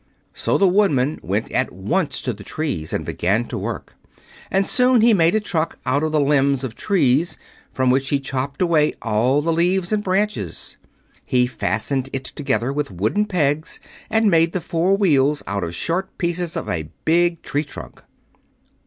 So the Woodman went at once to the trees and began to work; and he soon made a truck out of the limbs of trees, from which he chopped away all the leaves and branches. He fastened it together with wooden pegs and made the four wheels out of short pieces of a big tree trunk.